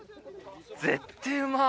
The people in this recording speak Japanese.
絶対うまい。